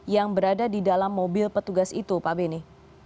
yang berada di dalam mobil petugas itu pak beni